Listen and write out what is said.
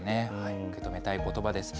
受け止めたいことばです。